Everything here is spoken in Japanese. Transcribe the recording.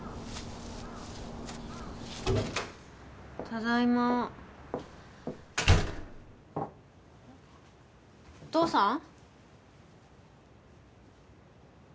ただいまお父さん？